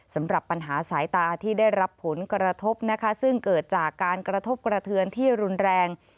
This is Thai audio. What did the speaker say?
สำหรับปัญหาสายตาที่ได้รับผลกระทบนะคะซึ่งเกิดจากการกระทบกระเทือนที่รุนแรง